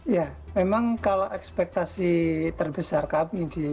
ya memang kalau ekspektasi terbesar kami di